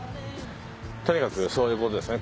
とにかくそういう事ですね。